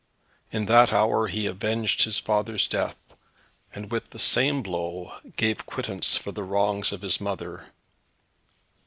In that hour he avenged his father's death, and with the same blow gave quittance for the wrongs of his mother.